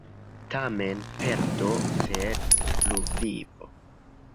Tamen perdo, sed pluvivo.